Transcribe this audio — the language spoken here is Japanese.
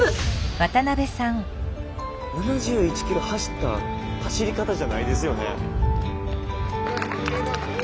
７１ｋｍ走った走り方じゃないですよね。